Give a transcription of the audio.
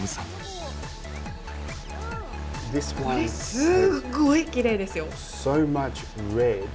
すっごいキレイですよ。